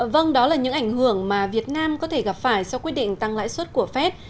vâng đó là những ảnh hưởng mà việt nam có thể gặp phải sau quyết định tăng lãi suất của fed